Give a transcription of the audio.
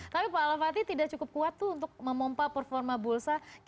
tapi pak al fatih tidak cukup kuat untuk memompa performa bulsa